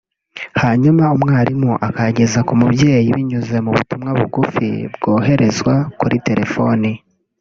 hanyuma umwarimu akayageza ku mubyeyi binyuze mu butumwa bugufi bwoherezwa kuri telefoni